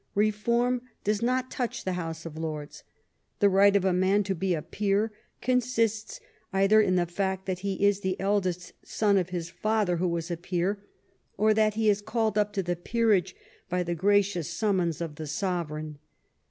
Re form does not touch the House of Lords. The right of a man to be a peer consists either in the fact that he is the eldest son of duke of Wellington his father, who was a peer, or that (From ao oia engraving) he is called up to the peerage by the gracious sum mons of the Sovereign.